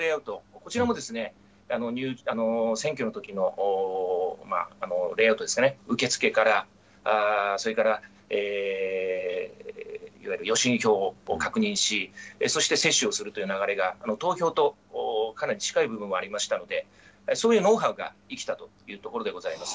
こちらも、選挙のときのレイアウトですね、受け付けから、それからいわゆる予診票を確認し、そして接種をするという流れが、投票とかなり近い部分もありましたので、そういうノウハウが生きたというところでございます。